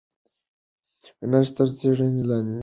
نسج تر څېړنې لاندې دی.